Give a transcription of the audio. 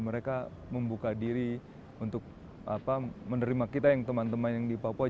mereka membuka diri untuk menerima kita yang teman teman yang di papua